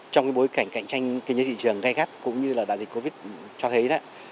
trong bối cảnh cạnh tranh kinh doanh thị trường gai gắt cũng như là đại dịch covid cho thấy